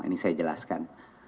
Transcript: ini saya jelaskan